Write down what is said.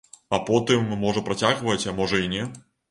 А потым, можа працягваць, а можа і не.